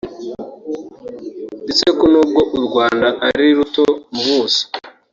ndetse ko nubwo u Rwanda ari ruto mu buso